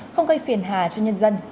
không gây phiền hà cho nhân dân